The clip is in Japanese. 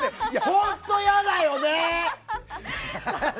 本当、嫌だよね！